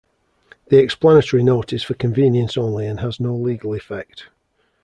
The explanatory note is for convenience only and has no legal effect.